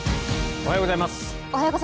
おはようございます。